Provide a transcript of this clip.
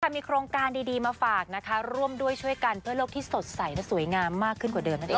มีโครงการดีมาฝากนะคะร่วมด้วยช่วยกันเพื่อโลกที่สดใสและสวยงามมากขึ้นกว่าเดิมนั่นเอง